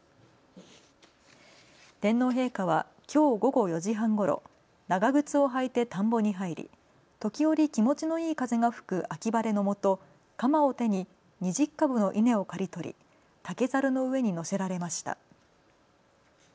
天皇陛下はきょう午後４時半ごろ、長靴を履いて田んぼに入り時折、気持ちのいい風が吹く秋晴れのもと鎌を手に２０株の稲を刈り取り竹ざるの上に乗せられました。